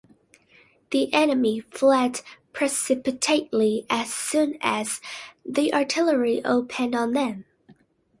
The enemy fled precipitately as soon as the artillery opened on them.